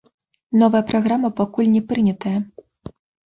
Новая праграма пакуль не прынятая.